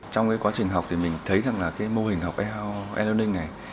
trong cái quá trình học thì mình thấy rằng là cái mô hình học e learning này